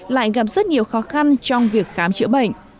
lại gặp rất nhiều khó khăn trong việc khám chữa bệnh